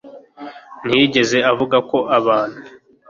ntiyigeze ivuga ko abantu